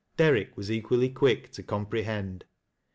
Derrick was equally quick to comprc h.er d.